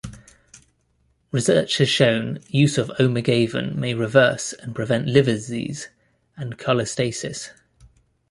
Research has shown use of Omegaven may reverse and prevent liver disease and cholestasis.